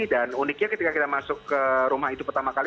dan uniknya ketika kita masuk ke rumah itu pertama kali